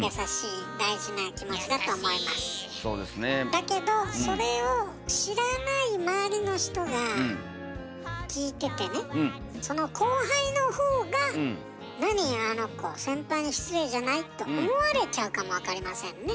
だけどそれを知らない周りの人が聞いててねその後輩のほうが「なにあの子先輩に失礼じゃない？」と思われちゃうかもわかりませんね。